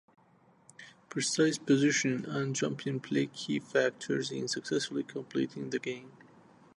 Precise positioning and jumping play key factors in successfully completing the game.